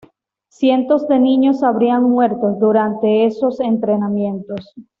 Cientos de niños habrían muerto durante estos entrenamientos.